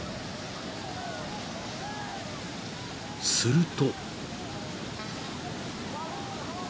［すると］